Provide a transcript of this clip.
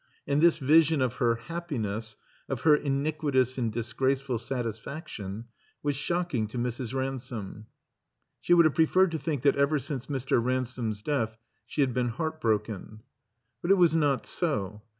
And this vision of her happiness, of her iniquitous and disgraceful satisfaction, was shocking to Mrs. Ransome. She would have preferred to think that ever since Mr. Ransome's death she had been heartbroken. But it was not so.